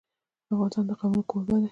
افغانستان د قومونه کوربه دی.